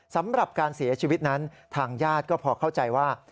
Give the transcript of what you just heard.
สำหรับการเสียชีวิตนั้นทางญาติก็พอเข้าใจว่า